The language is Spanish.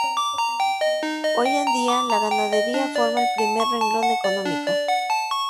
Hoy en día la ganadería forma el primer renglón económico.